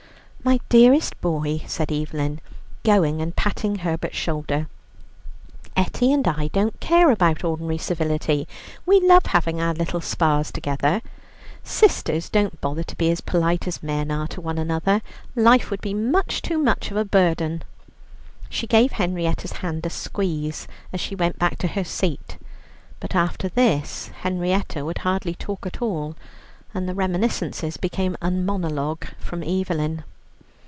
"My dearest boy," said Evelyn, going and patting Herbert's shoulder, "Etty and I don't care about ordinary civility. We love having our little spars together. Sisters don't bother to be as polite as men are to one another; life would be much too much of a burden!" She gave Henrietta's hand a squeeze, as she went back to her seat, but after this Henrietta would hardly talk at all, and the reminiscences became a monologue from Evelyn.